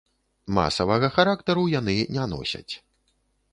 Масавага характару яны не носяць.